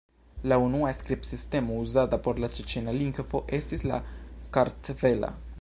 La unua skribsistemo uzata por la ĉeĉena lingvo estis la kartvela.